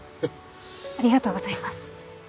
ありがとうございます。